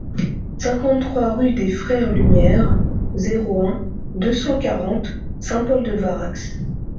cinquante-trois rue des Frères Lumière, zéro un, deux cent quarante, Saint-Paul-de-Varax